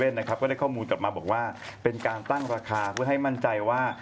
นะครับก็ได้ข้อมูลกลับมาบอกว่าเป็นการตั้งราคาเพื่อให้มั่นใจว่า